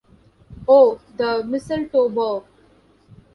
Oh, the mistletoe bough!